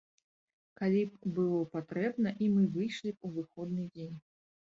Калі б было патрэбна, і мы выйшлі б у выходны дзень.